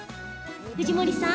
藤森さん